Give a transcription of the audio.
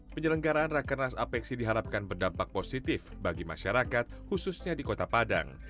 penyelenggaraan rakernas apexi diharapkan berdampak positif bagi masyarakat khususnya di kota padang